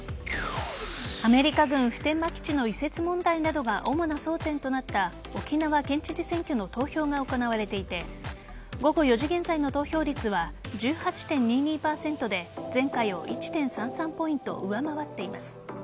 アメリカ軍普天間基地の移設問題などが主な争点となった沖縄県知事選挙の投票が行われていて午後４時現在の投票率は１８．２２％で前回を１．３３ポイント上回っています。